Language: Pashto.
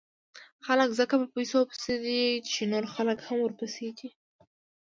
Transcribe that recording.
خلک ځکه په پیسو پسې دي، چې نور خلک هم ورپسې دي.